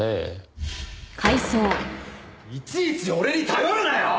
いちいち俺に頼るなよ！